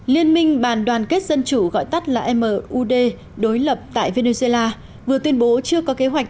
liên minh bàn đoàn kết dân chủ gọi tắt là mud đối lập tại venezuela vừa tuyên bố chưa có kế hoạch